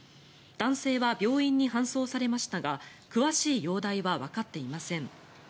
男性は病院に搬送されましたが詳しい容体はわかっていません。